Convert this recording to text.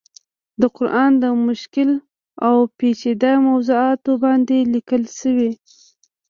د قرآن د مشکل او پيچيده موضوعاتو باندې ليکلی شوی